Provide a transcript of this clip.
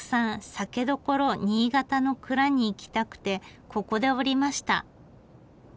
酒どころ新潟の蔵に行きたくてここで降りました。